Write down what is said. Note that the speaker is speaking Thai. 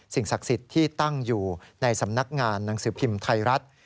ศักดิ์สิทธิ์ที่ตั้งอยู่ในสำนักงานหนังสือพิมพ์ไทยรัฐ